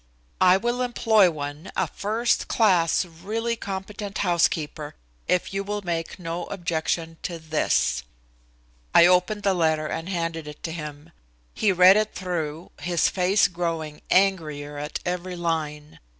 "I will employ one, a first class, really competent housekeeper, if you will make no objection to this." I opened the letter and handed it to him. He read it through, his face growing angrier at every line.